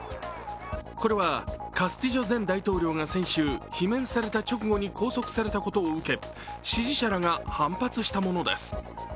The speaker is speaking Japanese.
これは、カスティジョ前大統領が先週、罷免された直後に拘束されたことを受け、支持者らが反発したものです。